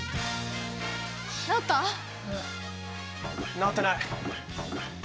直ってない。